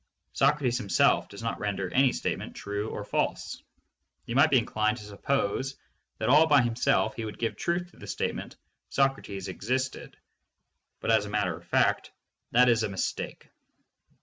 Socrates himself does not render any statement true or false. You might be inclined to suppose that all by himself he would give truth to the statement "Socrates existed," but as a matter of fact that is a mistake.